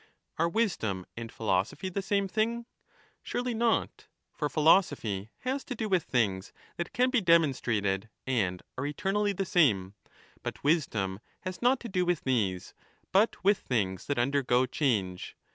Are wisdom and philosophy the same thing? Surely not ! For philosophy has to do with things that can be demonstrated and are eternally the same, but wisdom has 35 not to do with these, but with things that undergo change.